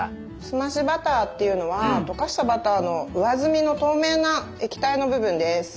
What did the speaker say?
澄ましバターっていうのはとかしたバターの上澄みの透明な液体の部分です。